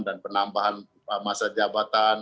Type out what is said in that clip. dan penambahan masa jabatan